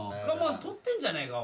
取ってんじゃねえか？